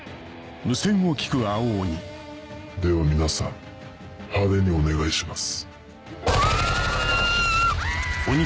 では皆さん派手にお願いします。